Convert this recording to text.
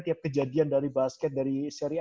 tiap kejadian dari basket dari seri a